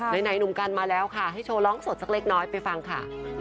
ไหนหนุ่มกันมาแล้วค่ะให้โชว์ร้องสดสักเล็กน้อยไปฟังค่ะ